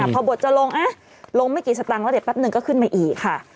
พอบทจะลงเอะลงไม่กี่สัตว์ตังค์แล้วปั๊บนึงก็ขึ้นมาอีกค่ะ